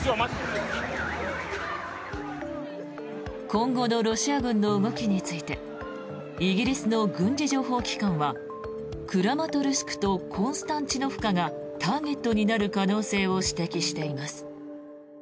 今後のロシア軍の動きについてイギリスの軍事情報機関はクラマトルシクとコンスタンチノフカがターゲットになる可能性を指摘しています。